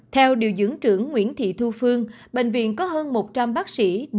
theo điều dưỡng trưởng nguyễn thị thu phương bệnh viện có hơn một trăm linh bác sĩ